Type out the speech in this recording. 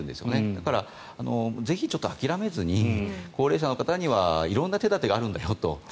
だからぜひちょっと諦めずに高齢者の方には色んな手立てがあるんだよと。